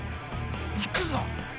行くぞ。